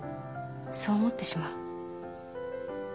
そう思ってしまう